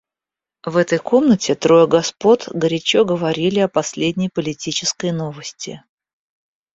В этой комнате трое господ горячо говорили о последней политической новости.